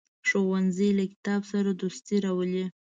ښوونځی له کتاب سره دوستي راولي